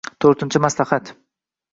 To'rtinchi maslahat.